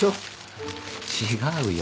違うよ。